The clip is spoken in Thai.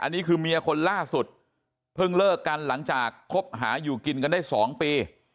อันนี้คือเมียคนล่าสุดเพิ่งเลิกกันหลังจากคบหาอยู่กินกันได้๒ปี